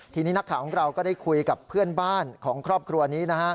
ทีนี้นักข่าวของเราก็ได้คุยกับเพื่อนบ้านของครอบครัวนี้นะฮะ